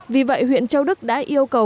vì vậy huyện châu đức đã yêu cầu